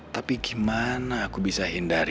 tapi gimana aku bisa hindari